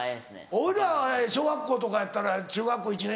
おいら小学校とかやったら中学校１年。